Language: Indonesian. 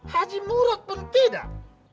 haji murad pun tidak